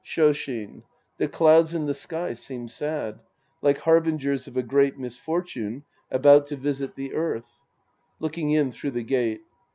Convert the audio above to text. Shoshin. The clouds in the sky seem sad. Like harbingers of a great misfortune about to visit the earth. {Looking in through the gate.)